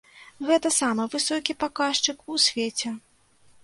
Гэта самы высокі паказчык у свеце.